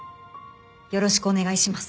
よろしくお願いします。